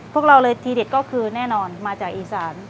พวกเราเลยทีเด็ดก็คือแน่นอนมาจากอีสาน